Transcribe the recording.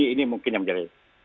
ini mungkin yang terjadi